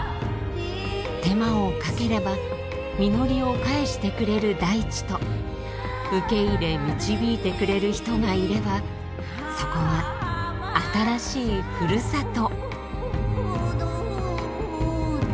手間をかければ実りを返してくれる大地と受け入れ導いてくれる人がいればそこは新しいふるさと。